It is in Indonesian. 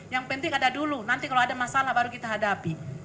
yang penting ada dulu nanti kalau ada masalah baru kita hadapi